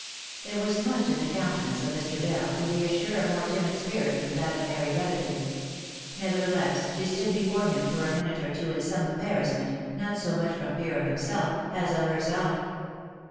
199 There was much in the countenance of Mr. Bell to reassure a more timid spirit than that of Mary Brotherton ; nevertheless she stood be fore him for a minute or two in some embarrassment, not so much from fear of him, as of herself.